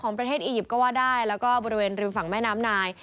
ประเทศอียิปต์ก็ว่าได้แล้วก็บริเวณริมฝั่งแม่น้ำนาย